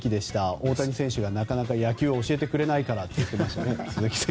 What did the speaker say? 大谷選手が、なかなか野球を教えてくれないからと言っていましたね。